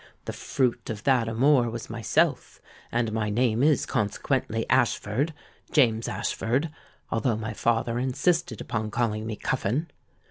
The fruit of that amour was myself; and my name is consequently Ashford—James Ashford—although my father insisted upon calling me Cuffin.